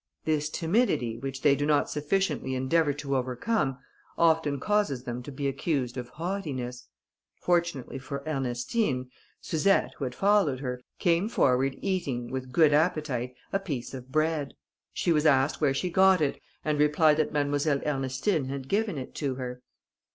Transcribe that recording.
This timidity, which they do not sufficiently endeavour to overcome, often causes them to be accused of haughtiness. Fortunately for Ernestine, Suzette, who had followed her, came forward eating, with good appetite, a piece of bread. She was asked where she got it, and replied that Mademoiselle Ernestine had given it to her.